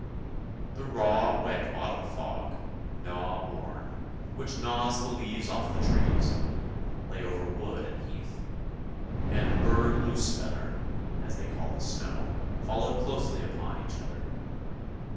The raw, wet autumn fog, " gnaw worn," which gnaws the leaves off the trees, lay over wood and heath; and " Bird loose feather," as they call the snow, followed closely upon each other.